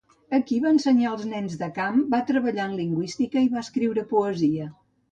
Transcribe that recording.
Aquí va ensenyar els nens de camp, va treballar en lingüística i va escriure poesia.